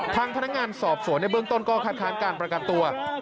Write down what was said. ทางพนักงานสอบสวนในเบื้องต้นก็คัดค้านการประกันตัว